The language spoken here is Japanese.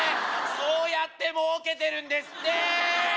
そうやってもうけてるんですってー